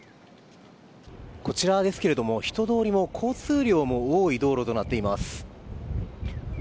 こちらですが人通りも交通量も多い道路となっています。